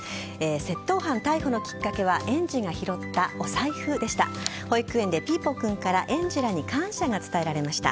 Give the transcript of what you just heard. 窃盗犯逮捕のきっかけは園児が拾ったお財布でした。